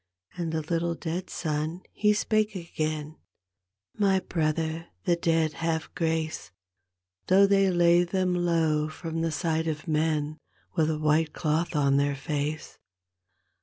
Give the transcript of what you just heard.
And the little dead son he spake again, " My brother, the dead have grace Though they lay them low from the sight of men With a white cloth on their face.